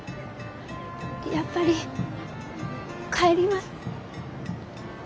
やっぱり帰ります。